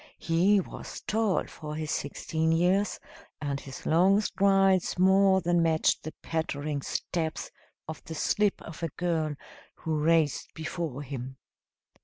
He was tall for his sixteen years, and his long strides more than matched the pattering steps of the slip of a girl who raced before him.